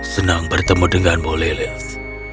senang bertemu denganmu lilith